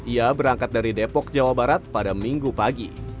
ia berangkat dari depok jawa barat pada minggu pagi